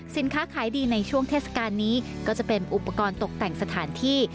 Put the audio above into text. ขายดีในช่วงเทศกาลนี้ก็จะเป็นอุปกรณ์ตกแต่งสถานที่